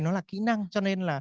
nó là kỹ năng cho nên là